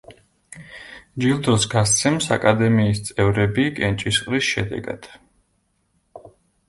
ჯილდოს გასცემს აკადემიის წევრები კენჭისყრის შედეგად.